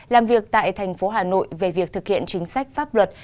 làm việc tại thành phố hà nội về việc thực hiện chính sách pháp luật